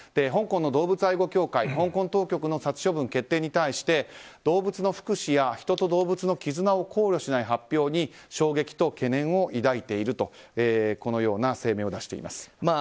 香港の動物愛護協会は香港当局の殺処分決定に対して動物の福祉や人と動物の絆を考慮しない発表に衝撃と懸念を抱いているとこのような声明を出しています。